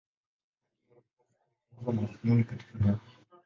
Hasa alichunguza mawasiliano katika neva.